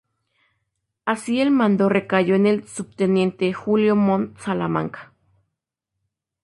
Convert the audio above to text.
Así el mando recayó en el subteniente Julio Montt Salamanca.